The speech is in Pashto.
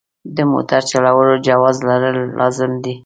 د موټر چلولو جواز لرل لازم دي.